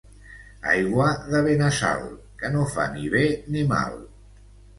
Aigua de Benassal, que no fa ni bé ni mal.